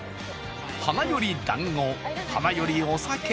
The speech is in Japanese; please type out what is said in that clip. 花よりだんご、花よりお酒。